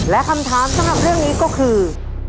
และคำถามสำหรับเรื่องนี้ก็คือ